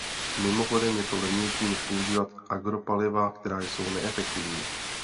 Mimochodem je to levnější, než používat agropaliva, která jsou neefektivní.